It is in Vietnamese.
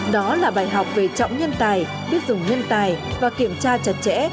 đó là bài học về trọng nhân tài biết dùng nhân tài và kiểm tra chặt chẽ